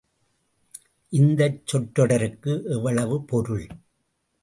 இந்தச் சொற்றொடருக்கு எவ்வளவு பொருள்!